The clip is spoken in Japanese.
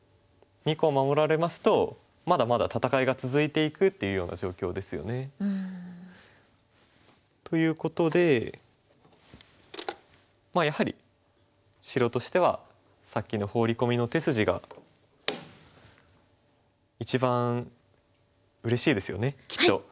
２個を守られますとまだまだ戦いが続いていくっていうような状況ですよね。ということでまあやはり白としてはさっきのホウリ込みの手筋が一番うれしいですよねきっと。